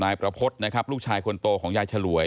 นายประพฤตินะครับลูกชายคนโตของยายฉลวย